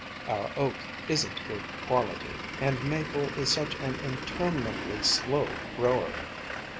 Our oak isn't good quality, and maple is such an interminably slow grower.